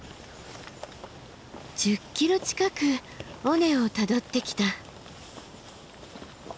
１０ｋｍ近く尾根をたどってきた。